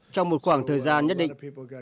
trong một khoảng thời gian nhất định